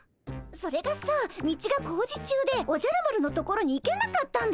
それがさ道が工事中でおじゃる丸の所に行けなかったんだよ。